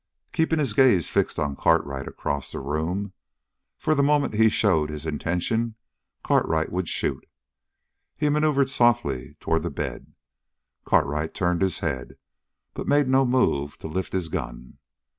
Keeping his gaze fixed on Cartwright across the room for the moment he showed his intention, Cartwright would shoot he maneuvered softly toward the bed. Cartwright turned his head, but made no move to lift his gun.